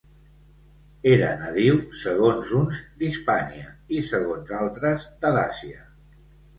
Era nadiu segons uns d'Hispània i segons altres de Dàcia.